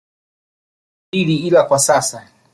Mwezi wa nane hadi wa kumi na mbili ila kwa sasa